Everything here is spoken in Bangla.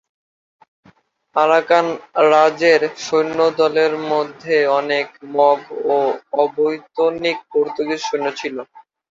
আরাকান-রাজের সৈন্যদলের মধ্যে অনেক মগ ও অবৈতনিক পর্তুগিজ সৈন্য ছিল।